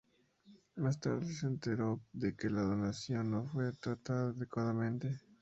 Más tarde se enteró de que la donación no fue "tratada adecuadamente".